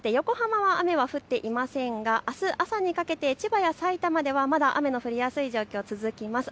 横浜は雨は降っていませんがあす朝にかけて千葉や埼玉ではまだ雨の降りやすい状況が続きます。